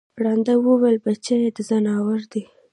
ړانده وویل بچی د ځناور دی